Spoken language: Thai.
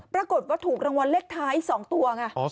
ปรากฏว่าถูกรางวัลเลขท้าย๒ตัวไง